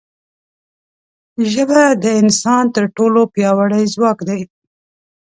ژبه د انسان تر ټولو پیاوړی ځواک دی